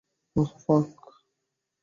ওহ, ফাক।